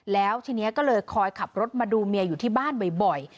แล้วทีนี้ก็เลยคอยขับรถมาดูเมียอยู่ที่บ้านบ่อย